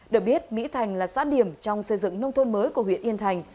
được biết mỹ thành là xã điểm trong xây dựng nông thôn mới của huyện yên thành